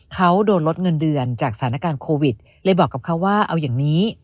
เขาโดนลดเงินเดือนจากสถานการณ์โควิดเลยบอกกับเขาว่าเอาอย่างนี้